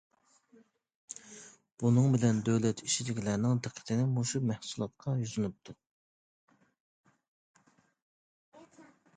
بۇنىڭ بىلەن دۆلەت ئىچىدىكىلەرنىڭ دىققىتى مۇشۇ مەھسۇلاتقا يۈزلىنىپتۇ.